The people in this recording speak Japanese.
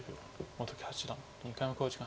本木八段２回目の考慮時間に入りました。